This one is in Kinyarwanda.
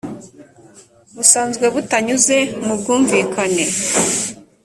busanzwe butanyuze mu bwumvikane